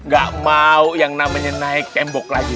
gak mau yang namanya naik tembok lagi